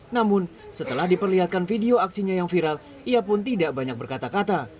namun setelah diperlihatkan video aksinya yang viral ia pun tidak banyak berkata kata